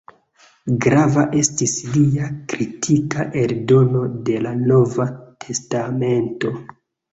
Grava estis lia kritika eldono de la "Nova Testamento".